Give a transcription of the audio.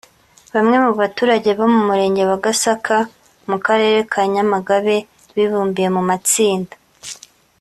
Bamwe mu baturage bo mu Murenge wa Gasaka mu Karere ka Nyamagabe bibumbiye mu matsinda